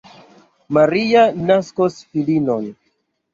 Maria naskos filinon.